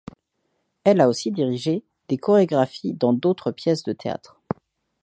Elle a aussi dirigé des chorégraphies dans d’autres pièces de théâtre.